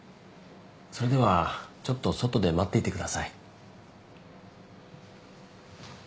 それではちょっと外で待っていてください。